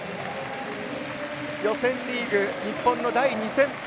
予選リーグ、日本の第２戦。